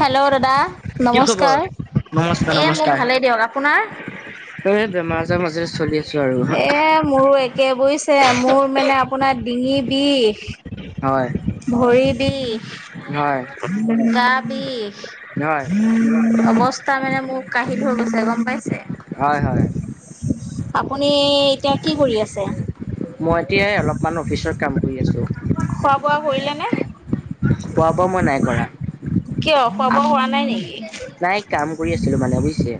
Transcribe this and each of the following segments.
Hello দাদা কি খবৰ? নমস্কাৰ নমস্কাৰ এই মোক নমস্কাৰ ভালেই দিয়ক, আপোনাৰ? এই বেমাৰ আজাৰ মাজেৰে চলি আছো আৰু এ', মোৰো একে বুইছে, মোৰ মানে আপোনাৰ ডিঙি বিষ। হয় ভৰিবিষ। হয় গা বিষ, হয় অবস তা মানে মোক কাহি থৈ গৈছে, গম পাইছে। হয় হয়। আপুনি এতিয়া কি কৰি আছে? মই এতিয়াই অলপমান অফিচত কাম কৰি আছো খোৱা বোৱা কৰিলে নে? খোৱা বোৱা মই নাই কৰা কিয় খোৱা বোৱা আপ হোৱা নাই নেকি নাই কাম কৰি আছিলো মানে বুজিছে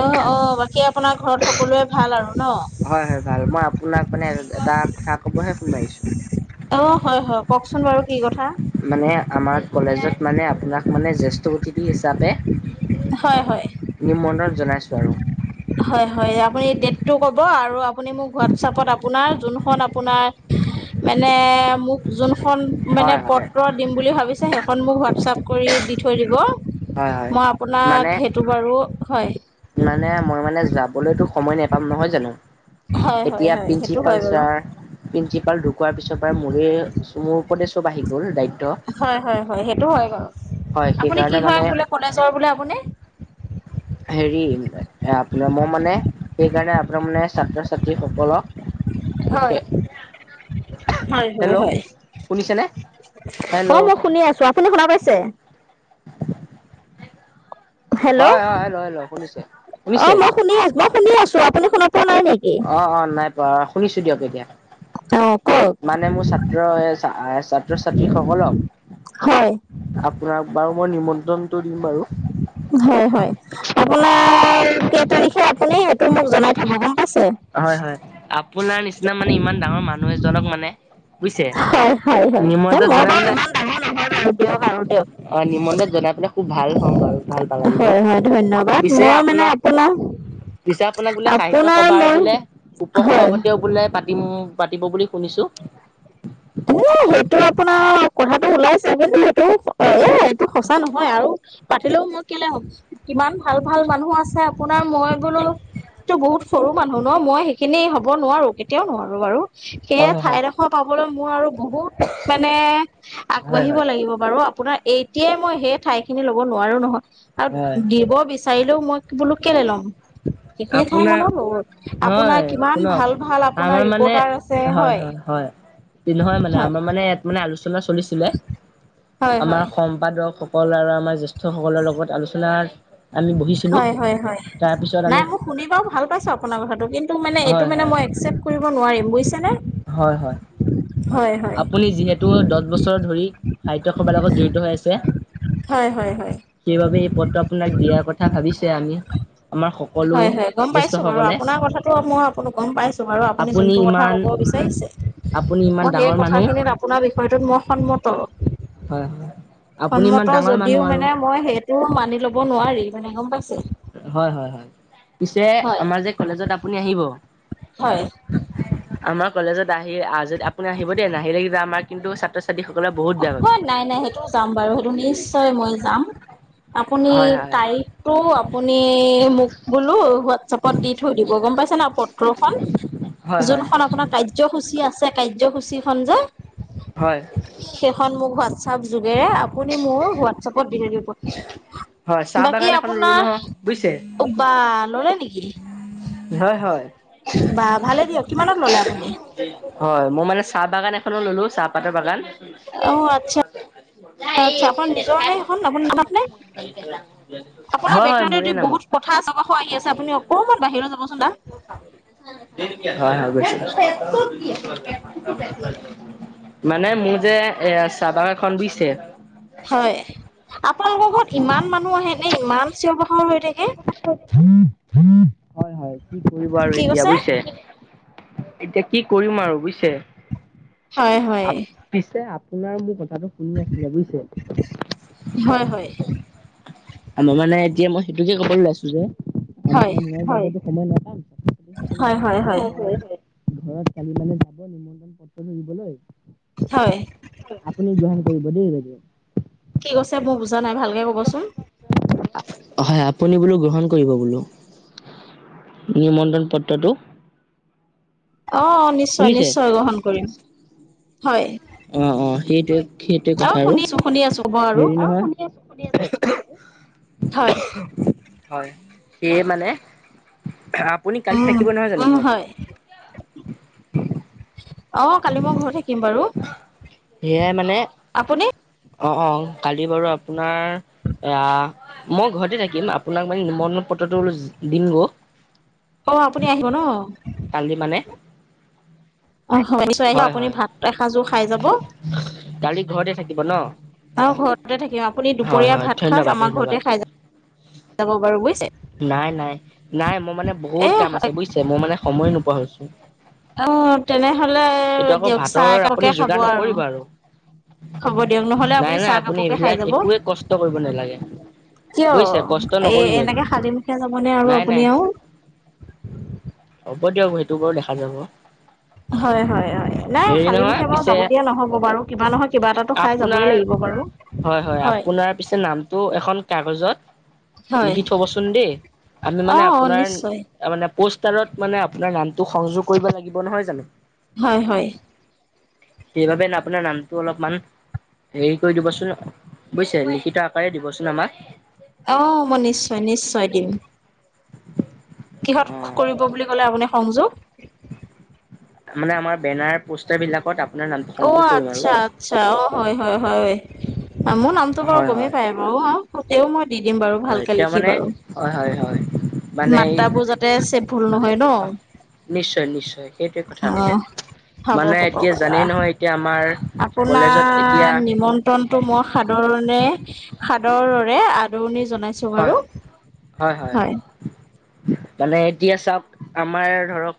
অ অ বাকী আপোনাৰ ঘৰত সকলোৱে ভাল আৰু ন হয় হয় ভাল মই আপোনাক মানে এটা কথা ক'বহে ফোন মাৰিছোঁ অ হয় হয় কওকচোন বাৰু কি কথা মানে আমাৰ কলেজত মানে আপোনাক মানে জেষ্ঠ অতিথি হিচাপে হয় হয় নিমন্ত্ৰণ জনাইছোঁ আৰু হয়ঁ হয়ঁ! আপুনি ডেটটো ক'ব আৰু আপুনি মোক হোৱাটছপত আপোনাৰ যোনখন আপোনাৰ মানে মোক যোনখন মানে হয় হয় পত্ৰ দিম বুলি ভাবিছে সেইখন মোক হোৱাটছআপ কৰি দি থৈ দিব। হয় হয় মই আপোনাক মানে সেইটো বাৰু হয়। মানে মই মানে যাবলৈতো সময় নোপাম নহয় জানো হয় হয় এতিয়া হয় সেইটো প্ৰিন্সিপাল হয় বাৰু ছাৰ প্ৰিন্ঞ্চিপাল ঢুকোৱাৰ পিছৰ পৰাই মোৰে মোৰ ওপৰতে চব আহি গ'ল দায়িত্ব। হয়ঁ হয়ঁ হয়ঁ সেইটো হয় বাৰু হয় আপুনি কি সেইকাৰণে হয় মানে বোলে কলেজৰ বোলে আপুনি হেৰি আপোনাৰ মই মানে সেইকাৰণে আপোনাৰ মানে ছাত্ৰ ছাত্ৰীসকলক হয়ঁ! পঠিয়াই হয়ঁ হেল্ল' শুনিছেনে হেল্ল' অ মই শুনি আছো আপুনি শুনা পাইছে হেল্লৌ! হয় হয় হেল্ল' হেল্ল' শুনিছে ' অঁ শুনিছে মই শুনি আছো মই শুনি আছো আপুনি শুনা পোৱা নাই নেকি? অঁ অঁ নাই পোৱা শুনিছো দিয়ক এতিয়া। অ কওক মানে মোৰ ছাত্ৰ এ ছাত্ৰ ছাত্ৰী সকলক হয় আপোনাক বাৰু মই নিমন্ত্ৰণটো দিম বাৰু। হয়ঁ হয়ঁ! আপোনাৰ কেই তাৰিখে আপুনি সেইটো মোক জনাই থব গম পাইছে। হয়ঁ হয়ঁ। আপোনাৰ নিচিনা মানে ইমান ডাঙৰ মানুহ এজনক মানে বুজিছে হয়ঁ হয়ঁ হয়ঁ! নিমন্ত্ৰণ মই বাৰু ইমান ডাঙৰ নহয় বাৰু দিয়ক আৰু দিয়ক অঁ! নিমন্ত্ৰণ জনাই পাই খুব ভাল হ'ম বাৰু ভাল পালাগিব হয় হয় ধন্যবাদ পিছে মই মানে আপোনাক আপোনাৰ পিছে আপোনাক বোলে সাহিত্য আপোনাৰ সভাৰ মই বোলে উপ হয় সভাপতিয়ও বোলে পাতিম‌‌ পাতিব বুলি শুনিছোঁ। এ সেইটো আপোনাৰ কথাটো ওলাইছে কিন্তু সেইটো অ এ এইটো সঁচা নহয় আৰু পাতিলেও মই কেলে হ'ম। কিমান ভাল ভাল মানুহ আছে আপোনাৰ মই বোলো তো বহুত সৰু মানুহ ন মই সেইখিনি হ'ব নোৱাৰো কেতিয়াও নোৱাৰো বাৰু হয় সেই হয় ঠাইডোখৰ পাবলৈ মোৰ আৰু বহুত মানে হয় হয় আগবাঢ়িব হয় লাগিব। কি হ'ব বাৰু এতিয়াই মই সেই ঠাইখিনি লৱ নোৱাৰো নহয় আৰু হয় দিৱ বিচাৰিলো বিচাৰিলেও মই বোলো কেলে ল'ম। [unintelligible] সেইখিনি ঠাই আপোনাৰ মই নলও আপোনাৰ নহয় কিমান শুনক ভাল ভাল আপোনাৰ আমাৰ মানে ৰিপৰ্টাৰ আছে হয়ঁ হয় হয়ঁ হয়ঁ। ই নহয় মানে হয় আমাৰ মানে ইয়াত মানে আলোচনা চলিছিলে হয় হয় আমাৰ অসম সম্পাদক সকল আৰু আমাৰ জ্যেষ্ঠসকলৰ লগত আলোচনাত আমি বহিছিলোঁ তাৰপিছত আমি শুনিব ভাল পাইছো আপোনাৰ কথাটো কিন্তু মানে এইটো হয় মানে হয় মই একচেপ্ট কৰিব নোৱাৰিম বুজিছে নে হয় হয়। আপুনি যিহেতু দহ বছৰ ধৰি সাহিত্য সভাৰ লগত জড়িত হৈ আছে। হয় হয় হয়। সেইবাবে এই পথটো আপোনাক দিয়াৰ কথা ভাবিছে আমি। আমাৰ সকলো হয় হয় গম পাইছো বাৰু জ্যেষ্ঠসকলে আপোনাৰ কথাটো মই আপ আপুনি যোনটো কথা ক'ব বিচাৰিছে। আপুনি মই ইমান,,,,, সেই ডাঙৰ মানুহ কথাখিনিত আপোনাৰ বিষয়টোত মই সন্মত হয় হয়। আপুনি ইমান সন্মত ডাঙৰ যদিও মানুহ আৰু মানে মই সেইটো মানি ল'ব নোৱাৰি মানে গম পাইছে। হয় হয় হয় পিছে হয় আমাৰ যে কলেজত আপুনি আহিব। হয়। আমাৰ কলেজত আহি আজ আপুনি আহিব দেই নাহিলে কিন্তু আমাৰ কিন্তু ছাত্ৰ ছ [unintelligible] নাই নাই সেইটো যাম বাৰু সেইটো নিশ্চয় মই যাম। আপুনি হয় হয় তাৰিখ টো আপুনি মোক বোলো হোৱাটছএপত দি থৈ দিব গম পাইছে নাই গ্ৰহন হয় হয় যোনখন আপোনাৰ কাৰ্যসূচী আছে কাৰ্যসূচীখন যে হয়। সেইখন মোক হোৱাটছপ যোগেৰে আপুনি মোৰ হোৱাটছপত দি থাই হয় দিব। চাহ বাগান বাকী এখন ৰুলো আপোনাৰ নহয় বুজিছে? বা! ল'লে নেকি? হয় হয়। বা ভালে দিয়ক কিমানত ললে আপুনি? হয় মই মানে চাহ বাগান এখনো ললো চাহপাতৰ বাগান। অ আচ্ছা আচ্ছা আপোনাৰ নিজৰ নে সেইখন আপোনাৰ নামত নে [unintelligible] আপোনাৰ হয় হয় বেকগ্ৰাউণ্ড মোৰে যদি নামত বহুত কথা আছে বা সুৰ আহি আছে আপুনি অকণমান বাহিৰলৈ যাবচোন দা। [unintelligible] মানে মোৰ যে এ চাহা বাগানখন বুজিছে হয়। আপোনালোকৰ ঘৰত ইমান মানুহ আহে নে ইমান চিঞ পখৰ হৈ থাকে? হয় হয় কি কৰিব আৰু কি এতিয়া কৈছে বুজিছে। এতিয়া কি কৰিম আৰু বুজিছে। হয় হয়। পিছে আপোনাৰ মোৰ কথাটো শুনি আছিলে বুজিছে। হয় হয়। আৰু মানে এতিয়া মই সেইটোকে ক'বলৈ লৈছিলো [unintelligible] হয় হয় হয় হয় [unintelligible] নিমন্ত্ৰণ পত্ৰ ধৰিবলৈ হয়। আপুনি গ্ৰহান কৰিব দেই বাইদেউ। কি কৈছে মোৰ বুজা নাই ভালকে ক'বচোন? হয় আপুনি বোলো গ্ৰহণ কৰিব বোলো। নিমন্ত্ৰণ পত্ৰটো। অ নিশ্চয় শুনিছে? নিশ্চয় গ্ৰহণ কৰিম হয়। অ অ সেইটেৱে সেইটোৱে অ কথা আৰু শুনিছো শুনি আছো ক'ব আৰু হেৰি নহয় [unintelligible] হয়। হয় সেয়ে মানে আপুনি কালি থাকিব নহয় জানো উম ঘৰত? আহ কালি মই ঘৰত থাকিম বাৰু। সেয়াই মানে আপুনি? অ অ কালি বাৰু আপোনাৰ এ মই ঘৰতে থাকিম আপোনাক মানে নিমন্ত্ৰণ পত্ৰটো দিম গ অ আপুনি আহিব ন। কান্দি মানে অ নিশ্চয় আহিব হয় আপুনি হয় ভাত এসাঁজো খাই যাব। কালি ঘৰতে থাকিব ন? অ ঘৰতে থাকিম। আপুনি হয় দুপৰীয়া হয় ভাত খচ ধন্যবাদ আমাৰ ধন্যবাদ ঘৰতে খাই যাব বাৰু বুজিছে। নাই নাই নাই মোৰ মানে বহুত এ কাম আছে বুইছে মই মানে সময় নোপোৱা হৈছো অ তেনেহলে এইটো আকৌ দিয়ক চাহ ভাতৰ আপুনি একাপকে খাব যোগাৰ আৰু। নকৰিব হ'ব দিয়ক নহ'লে নাই আপুনি নাই চাহ একাপকে খাই এইবিলাক যাব। একোৱে কষ্ট কৰিব নালাগে কিয় বুজিছে কষ্ট এ নকৰিব একো এনেকে খালি মুখে যাবনে আৰু নাই আপুনি নাই আওঁ। হ'ব দিয়ক সেইটো বাৰু দেখা যাব। হয়, হয়, হয় নাই হেৰি নহয় খালিমুখে বাৰু পিছে যাব দিয়া নহব বাৰু কিবা নহয় কিবা এটাটো খাই যাবই আপোনাৰ লাগিব বাৰু। হয়, হয় আপোনাৰ পিছে নামটো এখন কাগজত হয় লিখি থবচোন। চোন দেই আমি অ মানে অ আপোনাৰ নিশ্চয় তামানে পষ্টাৰত মানে আপোনাৰ নামটো সংযোগ কৰিব লাগিব নহয় জানো? হয়, হয়। সেইবাবে আপোনাৰ নামটো অলপমান। হেৰি কৰি দিবচোন বুইছে লিখিত আকাৰে দিবচোন আমাক। অ মই নিশ্চয়, নিশ্চয় দিম। কিহত অ কৰিব বুলি ক'লে আপুনি সংযোগ? মানে আমাৰ বেনাৰ পোষ্টাৰ বিলাকত আপ অ আচ্ছা, আচ্ছা অ হয়, হয়, হয় মোৰ নামটো বাৰু হয় গমেই হয় পায়। অ তেও মই দি দিম বাৰু হয় ভালকে এতিয়া লিখি মানে বাৰু। হয় হয় হয় মানে এই মাত্ৰা বোৰ যাতে চেপ ভুল নহয় ন। নিশ্চয় নিশ্চয় সেইটোৱে কথা অ আৰু হ'ব মানে হ'ব এতিয়া বাৰু জানেই নহয় এতিয়া আমাৰ। কলেজত এতিয়া আপোনাৰ নিমন্ত্ৰ ন্তটো মই সাদৰণে সাদৰৰে আদৰণি জনাইছোঁ। হয়, হয়, হয়। মানে এতিয়া চাওঁক আমাৰ ধৰক।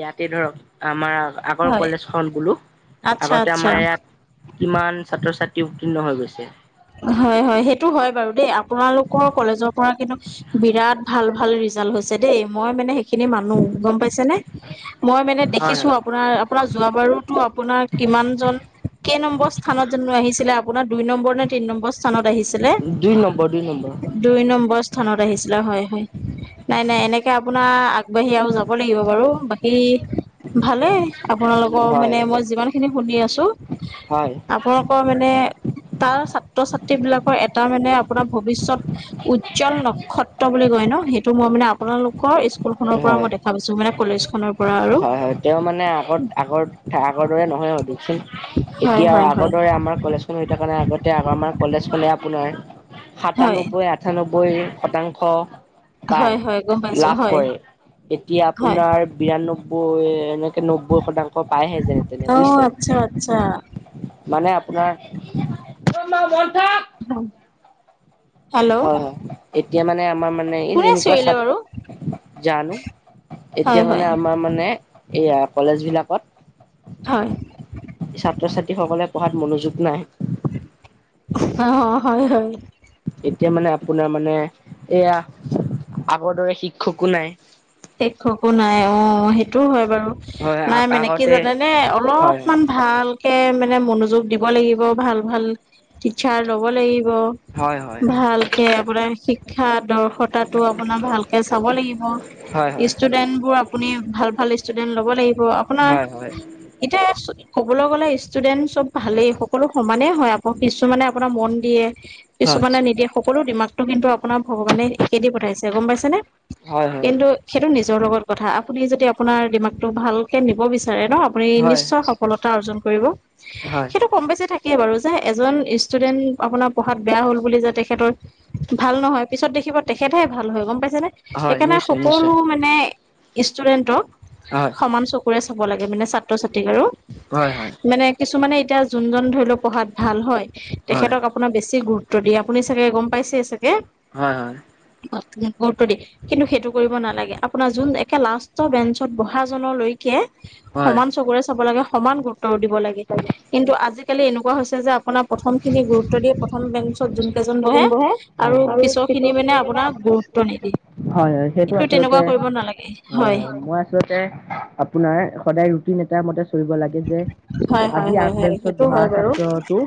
ইয়াতে ধৰক আমাৰ আগৰ হয় কলেজ খন বোলো আচ্ছা আগতে আচ্ছা আমাৰ ইয়াত। কিমান ছাত্ৰ ছাত্ৰী উত্তীৰ্ণ হৈ গৈছে হয়, হয় সেইটো হয় বাৰু দেই আপোনালোকৰ কলেজৰ পৰা কিন্তু বিৰাট ভাল ভাল ৰিজাল্ট হৈছে দেই মই মানে সে সেই খিনি মানো গম পাইছে নে? মই মানে হয় দেখিছো আপ হয় আপোনাৰ আপোনাৰ যোৱা বাৰুতো আপোনাৰ কিমান জন? কেই নম্বৰ স্থানত জানো আহিছিলে আপোনাৰ? দুই নম্বৰ নে তিন নম্বৰ স্থানত আহিছিলে। দুই নম্বৰ, দুই নম্বৰ। দুই নম্বৰ স্থানত আহিছিলে হয়, হয়। নাই, নাই এনেকে আপোনাৰ আগবাঢ়ি আৰু যাব লাগিব বাৰু বাকী ভালে। আপোনালোকৰ হয় মানে মই যিমান খিনি শুনি আছো। হয়। আপোনালোকৰ মানে তাৰ ছাত্ৰ ছাত্ৰী বিলাকৰ এটা মানে আপোনাৰ ভৱিষত। উজ্জ্বল নক্ষত্ৰ বুলি কয় ন সেইটো মই মানে আপোনালোকৰ স্কু স্কুলখনৰ পৰা হয় মই দেখা পাইছো মানে কলেজখনৰ হয়, হয় তেওঁ মানে আগত আগৰ আগৰ দৰে নহয় আও দিয়কচোন। হয় এতিয়া আৰু হয় আগৰ হয় দৰে আমাৰ কলেজ হেতুকাৰণে আগতে আমাৰ কলেজ খনে আপোনাৰ, হয় সাতানব্বৈ আ আঠান্নব্বৈ শতাংশ। পায়, হয় হয় গম পাইছো লাভ হয় কৰে। এতিয়া হয় আপোনাৰ। বিৰান্নব্বৈ এনেকে নব্বৈ শতাংশ পায়হে যেনে তেনে অ বুইছে। আচ্ছা আচ্ছা। মানে আপোনাৰ [inaudible] ওম। [inaudible] হয় হয় এতিয়া মানে আমাৰ মানে এই কোনে যেনেকুৱা ছা চিঞৰিলে বাৰু জানো এতিয়া হয় মানে হয় আমাৰ মানে এইয়া কলেজবিলাকত হয়। ছাত্ৰ-ছাত্ৰী সকলে পঢ়াত মনোযোগ নাই। হ হ, হয় - হয়। এতিয়া মানে আপোনাৰ মানে এয়া আগৰ দৰে শিক্ষকো নাই। শিক্ষকো নাই, অ সেইটোও হয় বাৰু। হয় নাই মানে কি আগতে জানেনে? হয় অলপমান ভাল কে মানে মনোযোগ দিব লাগিব, ভাল - ভাল টিচাৰ লব লাগিব হয় হয় ভালকে আপোনাৰ শিক্ষা দৰ্শ তাতো আপোনাৰ ভালকে চাব লাগিব। হয় হয় ষ্টুডেন্টবোৰ আপুনি ভাল - ভাল ষ্টুডেন্ট ল'ব লাগিব, হয় আপোনাৰ হয় এতিয়া চু ক'বলৈ গ'লে ষ্টুডেণ্ট চব ভালেই, সকলো সমানেই হয় আকৌ কিছুমানে আপোনাৰ মন দিয়ে। হয় হয় কিছুমানে নিদিয়ে, সকলো দিমাকটো কিন্তু আপোনাৰ ভগৱানে একে দি পঠাইছে গম পাইছেনে? হয় কিন্তু সেইটো নিজৰ লগত কথা, আপুনি যদি আপোনাৰ দিমাকটো ভালকে নিব বিচাৰে ন আপুনি হয় নিশ্চয় সফলতা অৰ্জন কৰিব। হয়। সেইটো কম বেছি থাকে বাৰু যে, এজন ষ্টুডেন্ট আপোনাৰ পঢ়াত বেয়া হ'ল বুলি যে তেখেতৰ ভাল নহয় পিছত দেখিব তেখেতহে ভাল হয় গম পাইছেনে? হয় সেইকাৰণে নিশ্চয় - নিশ্চয়। সকলো মানে ষ্টুডেন্টক হয়। সমান চকুৰে চাব লাগে মানে ছাত্ৰ - ছাত্ৰীক আৰু হয় হয় মানে কিছুমানে এতিয়া যোনজন ধৰি লওক পঢ়াত ভাল হয়, হয় তেখেতক আ পোনাক বেছি গুৰুত্ব দিয়ে, আপুনি চাগে গম পাইছে চাগে? হয় হয়। আপোনাক গুৰুত্ব দিয়ে কিন্তু সেইটো কৰিব নালাগে, আপোনাৰ যোন একে লাষ্টৰ বেঞ্চত বহাজনলৈ কে হয় সমান চকুৰে চাব লাগে, সমান গুৰুত্ব দিব লাগে কিন্তু আজি কালি এনেকুৱা হৈছে যে আপোনাৰ প্ৰথমখিনিয়ে গুৰুত্ব দিয়ে, প্ৰথম বেঞ্চ ত যোনকেইজন বহে হয় আৰু হয় পিছৰখিনি মানে আপোনাৰ গুৰুত্ব নিদিয়ে। হয়, হয়, সেইটো কিন্তু আচলতে তেনেকুৱা কৰিব নালাগে হয়, হয় মই চলতে আপোনাৰ সদায় ৰুটিন এটা মতে চলিব লা গে যে হয় হয় আজি হয় আগ হয় বেঞ্চত সেইটো বঢ়া হয় বাৰু ছাত্ৰটো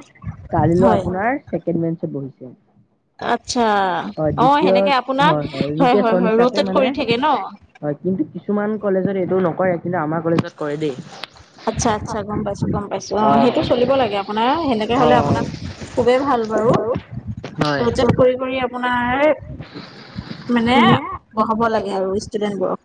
কালিলৈ হয় আপোনাৰ ছেকেণ্ড বেঞ্চত বহিছে। আচ্ছা! হয় অ' দ্বিতীয় সেনেকে আপোনাৰ হয়, হয়, ৰোটেশচন হয় হিচাপে ৰ'টত মানে কৰি থাকে ন। হয় কিন্তু কিছুমান কলেজত এইটো নকৰে কিন্তু আমাৰ কলেজত কৰে দেই। আচ্ছা! আচ্ছা! গম পাইছো, গম পাইছো, অ সেইটো চলিব লাগে আপোনাৰ সেনেকে হলে হয়। আপোনাক খুবেই ভাল বাৰু। হয়। ৰটেট কৰি কৰি আপোনাৰ মানে বহাব লাগে আৰু ষ্টুডেন্টবোৰক।